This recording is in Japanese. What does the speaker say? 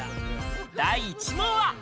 第１問は。